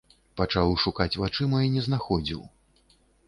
Пачаў шукаць вачыма і не знаходзіў.